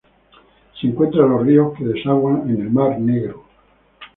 Se encuentra en los ríos que desaguan en la Mar Negro.